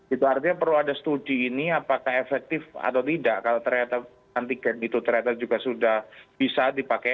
itu artinya perlu ada studi ini apakah efektif atau tidak kalau ternyata antigen itu ternyata juga sudah bisa dipakai